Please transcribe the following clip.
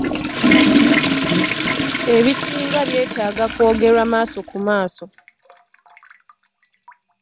Ebisinga byetaaga kwogera maaso ku maaso.